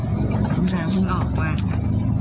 อ๋อเห้ยข้าวเบาบ่บ